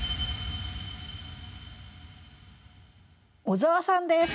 小沢さんです。